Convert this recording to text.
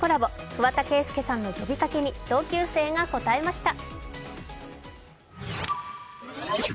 桑田佳祐さんの呼びかけに同級生が応えました。